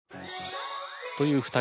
という二人。